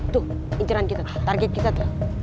tuh intiran kita tuh target kita tuh